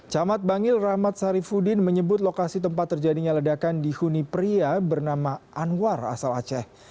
camat bangil rahmat sarifudin menyebut lokasi tempat terjadinya ledakan dihuni pria bernama anwar asal aceh